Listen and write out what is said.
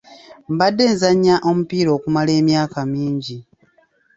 Mbadde nzannya omupiira okumala emyaka mingi.